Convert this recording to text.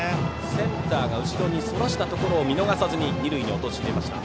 センターが後ろにそらしたところを見逃さず二塁を陥れました。